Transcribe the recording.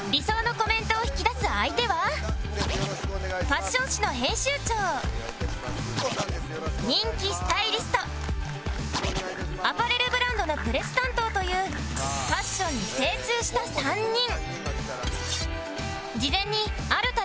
ファッション誌の編集長人気スタイリストアパレルブランドのプレス担当というファッションに精通した３人